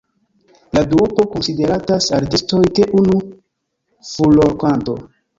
La duopo konsideratas artistoj de unu furorkanto.